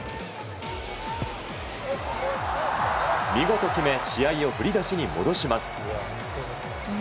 見事決め試合を振り出しに戻します。